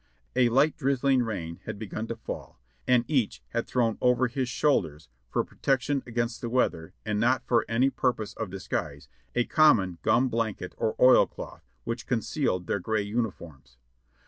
A light drizzling rain had begun to fall and each had thrown over his shoulders, for protection against the weather and not for any purpose of disguise, a common gum blanket or oilcloth, which concealed their gray uniforms.